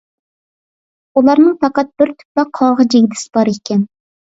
ئۇلارنىڭ پەقەت بىر تۈپلا قاغا جىگدىسى بار ئىكەن.